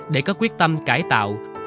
để có quyết tâm cải tạo